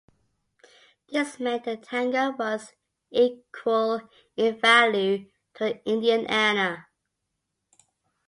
This meant the tanga was equal in value to the Indian anna.